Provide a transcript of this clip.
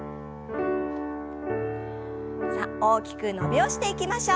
さあ大きく伸びをしていきましょう。